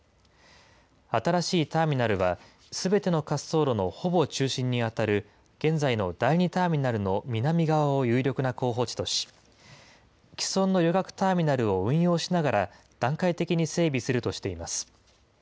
新しいターミナルは、すべての滑走路のほぼ中心に当たる現在の第２ターミナルの南側を有力な候補地とし、毀損の旅客ターミナルを運用しながら段階的に整備するとしています。